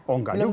oh enggak juga